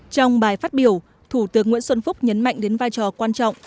trong bài phát biểu thủ tướng nguyễn xuân phúc nhấn mạnh đến vai trò quan trọng